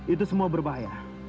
itu semua berbahaya